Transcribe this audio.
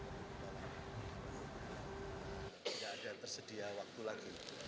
tidak ada tersedia waktu lagi